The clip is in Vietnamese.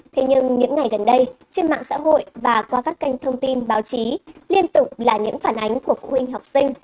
thế nhưng những ngày gần đây trên mạng xã hội và qua các kênh thông tin báo chí liên tục là những phản ánh của phụ huynh học sinh